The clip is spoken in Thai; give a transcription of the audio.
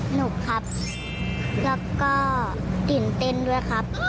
หนุกครับแล้วก็ตื่นเต้นด้วยครับ